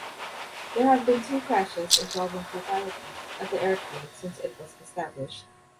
There have been two crashes involving fatalities at the airfield since it was established.